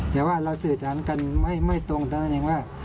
แต่ว่าเราสื่อสารกันไม่ตรงเท่านั้นเองว่า